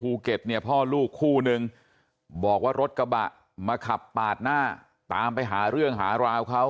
เนี่ยพ่อลูกคู่นึงบอกว่ารถกระบะมาขับปาดหน้าตามไปหาเรื่องหาราวเขา